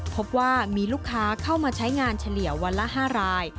พบว่ามีลูกค้าเข้ามาใช้งานเฉลี่ยวันละ๕ราย